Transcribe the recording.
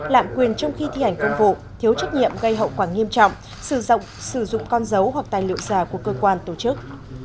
lạm quyền trong khi thi hành công vụ thiếu trách nhiệm gây hậu quả nghiêm trọng sử dụng con dấu hoặc tài liệu già của cơ quan tổ chức